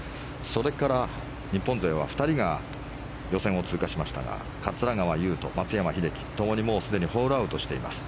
それから日本勢は２人が予選を通過しましたが桂川有人、松山英樹ともにすでにホールアウトしています。